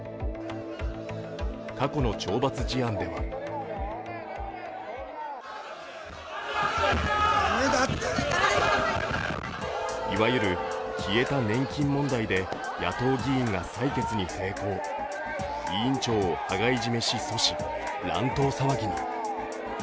過去の懲罰事案ではいわゆる消えた年金問題で野党議員が採決に抵抗、委員長を羽交い締めし阻止、乱闘騒ぎに。